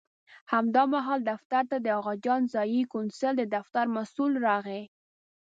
همدا مهال دفتر ته د اغاخان ځایي کونسل د دفتر مسوول راغی.